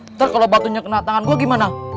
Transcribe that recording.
ntar kalo batunya kena tangan gua gimana